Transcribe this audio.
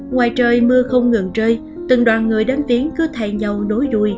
ngoài trời mưa không ngừng trơi từng đoàn người đánh tiếng cứ thay nhau nối đuôi